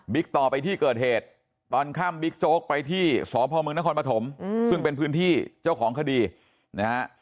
ต่อไปที่เกิดเหตุตอนค่ำบิ๊กโจ๊กไปที่สพมนครปฐมซึ่งเป็นพื้นที่เจ้าของคดีนะฮะ